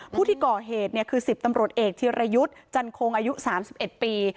ผู้ที่ก่อเหตุคือ๑๐ตำรวจเอกธิรยุทธ์จันโคงอายุ๓๑ปี